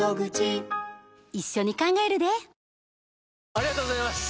ありがとうございます！